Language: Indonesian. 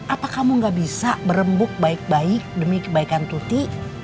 apa kamu gak bisa berembuk baik baik demi kebaikan tuti